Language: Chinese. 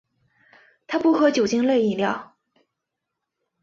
他不喝酒精类饮料。